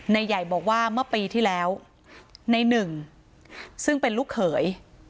ใหญ่บอกว่าเมื่อปีที่แล้วในหนึ่งซึ่งเป็นลูกเขย